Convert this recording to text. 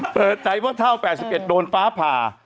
เปิดใจว่าเท่า๘๑โดนฟ้าผ่า